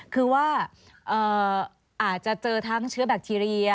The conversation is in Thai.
คือว่าอาจจะเจอทั้งเชื้อแบคทีเรีย